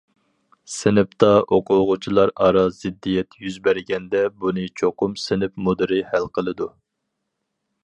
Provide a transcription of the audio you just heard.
سىنىپتا ئوقۇغۇچىلار ئارا زىددىيەت يۈز بەرگەندە، بۇنى چوقۇم سىنىپ مۇدىرى ھەل قىلىدۇ.